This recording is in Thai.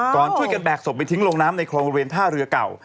ก่อนช่วยกันแบกศพไปทิ้งลงน้ำในคลองบริเวณท่าเรือเก่า